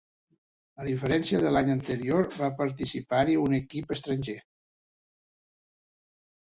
A diferència de l'any anterior, va participar-hi un equip estranger.